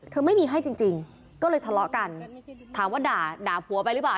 ไม่มีให้จริงจริงก็เลยทะเลาะกันถามว่าด่าด่าผัวไปหรือเปล่า